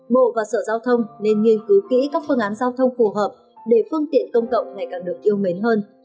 bộ và sở giao thông nên nghiên cứu kỹ các phương án giao thông phù hợp để phương tiện công cộng ngày càng được yêu mến hơn